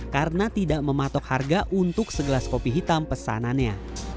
karena tidak mematok harga untuk segelas kopi hitam pesanannya